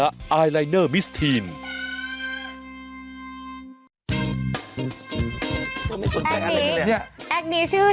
เป็นการกระตุ้นการไหลเวียนของเลือด